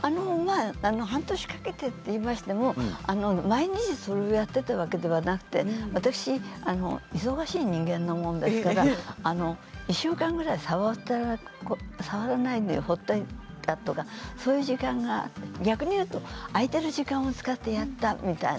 半年かけてと言いましても毎日それをやっていたわけではなくて私、忙しい人間なものですから１週間ぐらい触らないで放っておいたとかそういう時間が逆に言うと空いてる時間でやったみたいな。